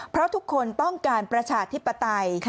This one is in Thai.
เพราะทุกคนต้องการประชาธิปไตย